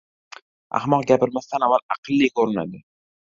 • Axmoq gapirmasdan avval aqlli ko‘rinadi.